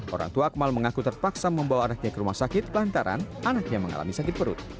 orang tua akmal mengaku terpaksa membawa anaknya ke rumah sakit lantaran anaknya mengalami sakit perut